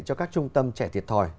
cho các trung tâm trẻ thiệt thòi